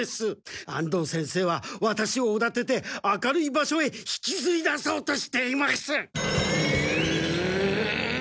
安藤先生はワタシをおだてて明るい場所へ引きずり出そうとしています！